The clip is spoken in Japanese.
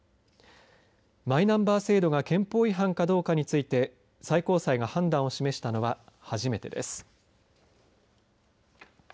マイナンバー制度が憲法違反かどうかについて最高裁が判断を示したのは初めてです。